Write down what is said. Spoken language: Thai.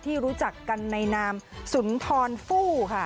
รู้จักกันในนามสุนทรฟู้ค่ะ